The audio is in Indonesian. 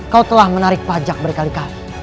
kau telah menarik pajak berkali kali